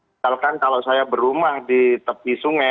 misalkan kalau saya berumah di tepi sungai